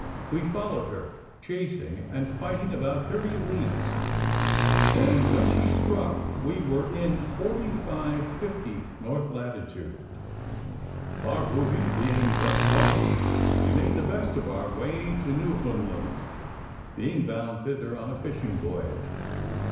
We followed her, chasing and fighting, about thirty leagues; and when she struck we were in 45 50 north latitude. Our booty being thus lost, we made the best of our way to Newfoundland, being bound thither on a fishing voyage.